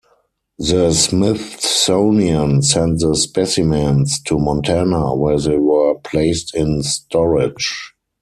The Smithsonian sent the specimens to Montana, where they were placed in storage.